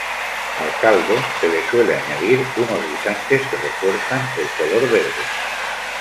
Al caldo se le suele añadir unos guisantes que refuerzan el color verde.